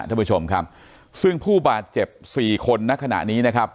ท่านผู้ชมครับซึ่งผู้บาดเจ็บสี่คนในขณะนี้นะครับ